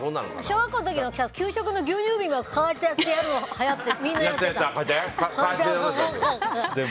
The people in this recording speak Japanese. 小学校の時、給食の牛乳瓶をこうやってやるのがはやって、みんなやってた。